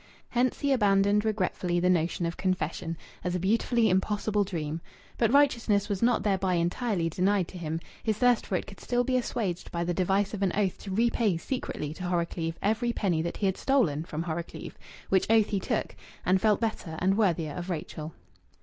Hence he abandoned regretfully the notion of confession, as a beautifully impossible dream. But righteousness was not thereby entirely denied to him; his thirst for it could still be assuaged by the device of an oath to repay secretly to Horrocleave every penny that he had stolen from Horrocleave, which oath he took and felt better and worthier of Rachel.